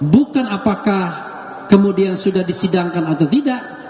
bukan apakah kemudian sudah disidangkan atau tidak